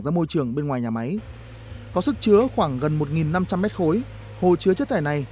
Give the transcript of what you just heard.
ra môi trường bên ngoài nhà máy có sức chứa khoảng gần một năm trăm linh mét khối hồ chứa chất thải này